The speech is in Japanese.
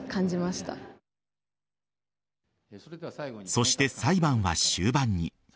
そして裁判は終盤に。